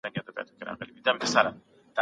تحلیل باید منطقي وي.